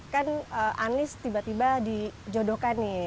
kan anies tiba tiba dijodohkan nih